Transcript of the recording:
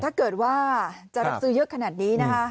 ถ้าเกิดว่าจะรับซื้อเยอะขนาดนี้นะคะ